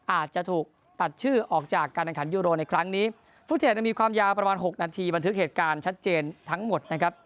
อาจจะถูกตัดชื่อออกจากการแข่งขันยูโรในครั้งนี้ฟุตเทจมีความยาวประมาณหกนาทีบันทึกเหตุการณ์ชัดเจนทั้งหมดนะครับ